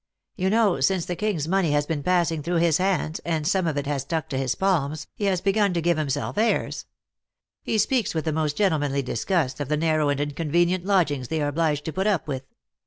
You know, since the king s money has been passing through his hands, and some of it has stuck to his palms, he has begun to give himself airs. He speaks with the most gentlemanly disgust of the narrow and inconvenient lodgings they are obliged to put up with.